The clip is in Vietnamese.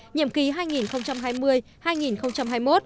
nhiệm ký hai nghìn hai mươi hai nghìn hai mươi một